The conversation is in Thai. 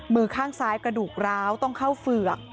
มือข้างซ้ายกระดูกร้าวต้องเข้าเฝือก